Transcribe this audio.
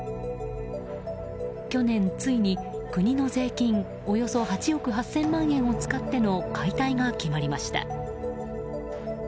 去年、ついに国の税金およそ８億８０００万円を使っての解体が決まりました。